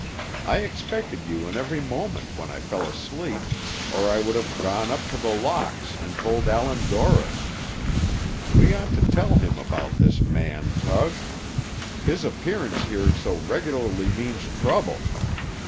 I expected you in every moment when I fell asleep, or I would have gone up to The Locks, and told Allan Dorris. We ought to tell him about this man, Tug. His appearance here so regularly means trouble.